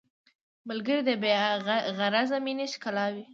ملګری د بې غرضه مینې ښکلا وي